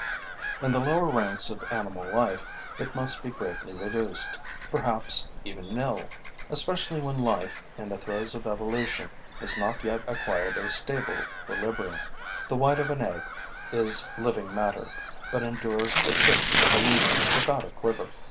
In the lower ranks of animal life, it must be greatly reduced, perhaps even nil, especially when life, in the throes of evolution, has not yet acquired a stable equilibrium. The white of an egg is living matter, but endures the prick of a needle without a quiver.